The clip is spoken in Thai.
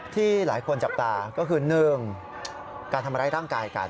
ที่หลายคนจับตาก็คือ๑การทำร้ายร่างกายกัน